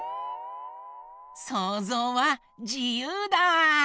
そうぞうはじゆうだ！